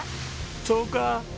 そうか。